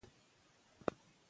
فرش د باران وروسته ژر وچ کړئ.